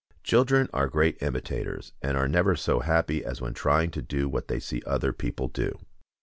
Children are great imitators, and are never so happy as when trying to do what they see other people do.